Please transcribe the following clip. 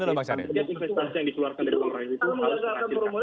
kalau menggalikan formula e sama saja berhasil